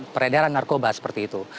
peredaran narkoba seperti itu